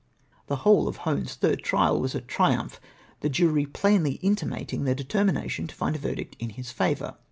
The whole of Hone's third trial was a triumph, the jury plainly intimating theu' determination to find a verdict in his favour.